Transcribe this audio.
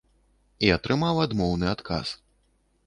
І атрымаў адмоўны адказ.